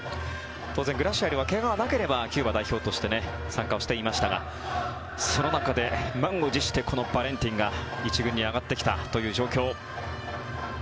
当然、グラシアルは怪我がなければキューバ代表として参加をしていましたがその中で、満を持してこのバレンティンが１軍に上がってきたという状況。